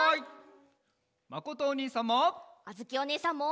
まことおにいさんも！